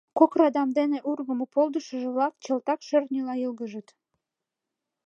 Кок радам дене ургымо полдышыжо-влак чылтак шӧртньыла йылгыжыт.